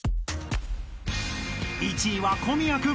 ［１位は小宮君。